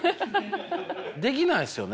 できないですよね。